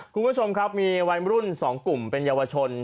คุณผู้ชมครับมีวัยรุ่น๒กลุ่มเป็นเยาวชน